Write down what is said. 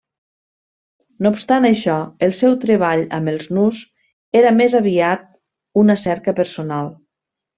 No obstant això, el seu treball amb els nus era més aviat una cerca personal.